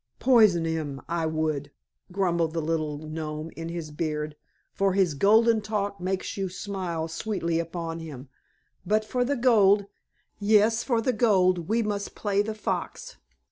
"Poison him I would," grumbled the little gnome in his beard. "For his golden talk makes you smile sweetly upon him. But for the gold " "Yes, for the gold we must play the fox.